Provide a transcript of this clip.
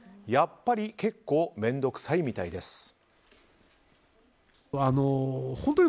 やっぱり結構面倒くさいみたいです。